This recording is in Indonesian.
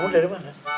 kamu dari mana mas